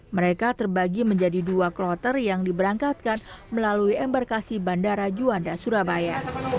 mereka terbagi menjadi dua kloter yang diberangkatkan melalui embarkasi bandara juanda surabaya